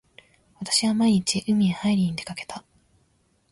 私は毎日海へはいりに出掛けた。